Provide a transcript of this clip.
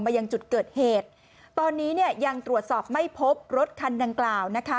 ยังจุดเกิดเหตุตอนนี้เนี่ยยังตรวจสอบไม่พบรถคันดังกล่าวนะคะ